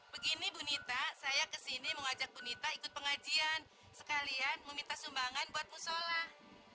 begini bunita saya kesini mengajak bunita ikut pengajian sekalian meminta sumbangan buat mushollah